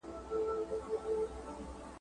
یو الله ج خبر وو !.